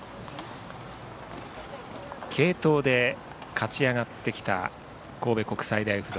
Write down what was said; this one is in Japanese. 継投で勝ち上がってきた神戸国際大付属。